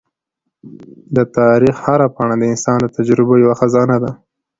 د تاریخ هره پاڼه د انسان د تجربو یوه خزانه ده.